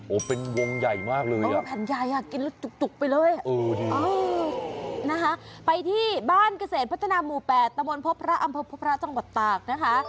โอ้เป็นวงใหญ่มากเลยอ่ะพันธุ์ใหญ่อยากกินรถจุกไปเลยนะฮะไปที่บ้านเกษตรพัฒนาหมู่๘ตมพระอำภาพระจังหวัดตากนะคะ